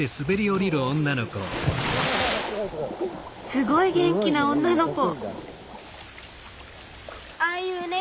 すごい元気な女の子！